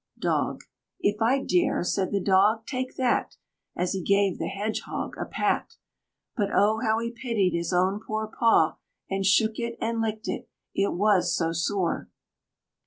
DOG. "If I dare?" said the Dog "Take that!" As he gave the Hedgehog a pat. But oh, how he pitied his own poor paw; And shook it and licked it, it was so sore.